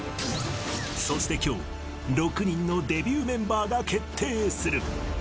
そしてきょう、６人のデビューメンバーが決定する。